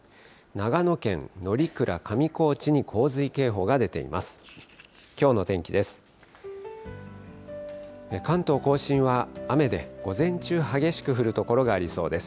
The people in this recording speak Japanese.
長野県乗鞍上高地に洪水警報が出ています。